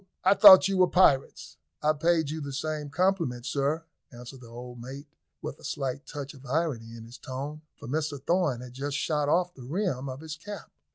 I thought you were pirates." "I paid you the same compliment, sir," answered the old mate, with a slight touch of irony in his tone, for Mr Thorn had just shot off the rim of his cap.